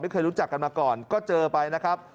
เคยรู้จักกันมาก่อนก็เจอไปนะครับ